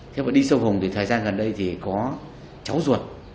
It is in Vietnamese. thế mà đi sâu vùng thì thời gian gần đây thì có cháu ruột